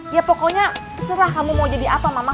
ya pokoknya terserah kamu mau jadi apa mama